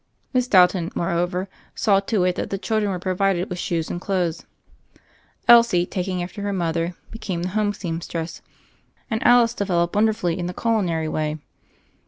Miss Dalton, moreover, saw to it that the children were provided with shoes and clothes; Elsie, taking after her mother, be came the home seamstress, and Alice developed wonderfully in the culinary way.